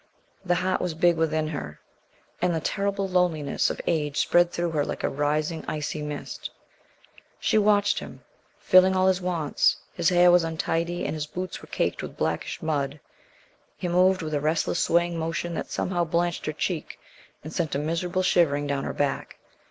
The heart was big within her, and the terrible loneliness of age spread through her like a rising icy mist. She watched him, filling all his wants. His hair was untidy and his boots were caked with blackish mud. He moved with a restless, swaying motion that somehow blanched her cheek and sent a miserable shivering down her back.